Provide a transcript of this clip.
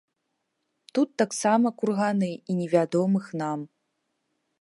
Тут таксама курганы і невядомых нам.